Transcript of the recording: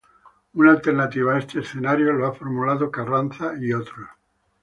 Una alternativa a este escenario lo ha formulado Carranza et al.